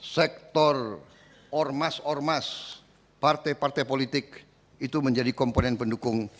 sektor ormas ormas partai partai politik itu menjadi komponen pendukung